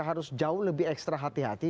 harus jauh lebih ekstra hati hati